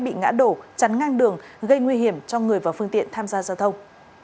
bị ngã đổ chắn ngang đường gây nguy hiểm cho người và phương tiện tham gia giao thông